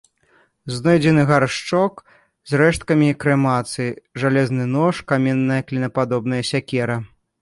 Знойдзены гаршчок з рэшткамі крэмацыі, жалезны нож, каменная клінападобная сякера.